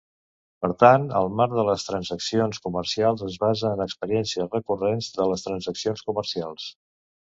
Per tant, el marc de les transaccions comercials es basa en experiències recurrents de les transaccions comercials.